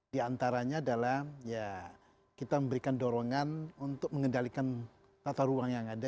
di antaranya adalah ya kita memberikan dorongan untuk mengendalikan tata ruang yang ada